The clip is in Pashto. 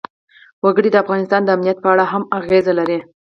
وګړي د افغانستان د امنیت په اړه هم اغېز لري.